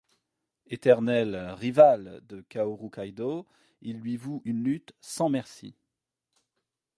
Eternel rival de Kaoru Kaidō, il lui voue une lutte sans merci.